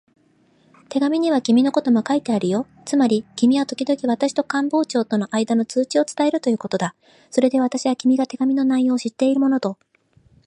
手紙には君のことも書いてあるよ。つまり君はときどき私と官房長とのあいだの通知を伝えるということだ。それで私は、君が手紙の内容を知っているものと